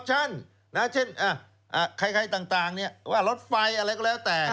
สุขเจริญการรอบชั้นเช่นไข้ต่างรถไฟอะไรก็แล้วแต่